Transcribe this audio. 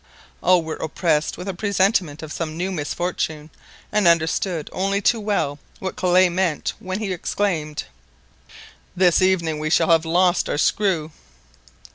All were oppressed with a presentiment of some new misfortune, and understood only too well what Kellet meant when he exclaimed— "This evening we shall have lost our screw!